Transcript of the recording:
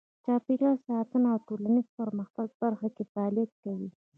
چاپیریال ساتنه او د ټولنیز پرمختګ برخه کې فعالیت کوي.